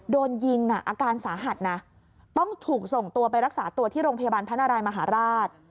โดนยิงน่ะอาการสาหัสนะต้องถูกส่งตัวไปรักษาตัวที่โรงพยาบาลพระนารายมหาราช